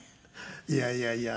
いやいやいや